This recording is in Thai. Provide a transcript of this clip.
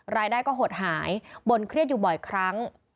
รายได้ก็หดหายบ่นเครียดอยู่บ่อยครั้ง